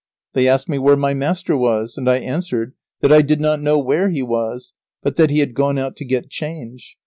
They asked me where my master was, and I answered that I did not know where he was, but that he had gone out to get change.